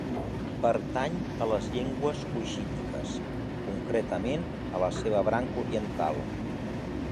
Pertany a les llengües cuixítiques, concretament a la seva branca oriental.